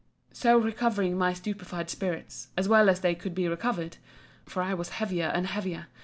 So, recovering my stupefied spirits, as well as they could be recovered, (for I was heavier and heavier!